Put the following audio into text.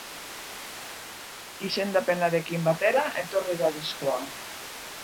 Izendapenarekin batera etorri da diskoa.